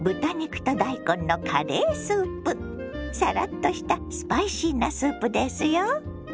サラッとしたスパイシーなスープですよ。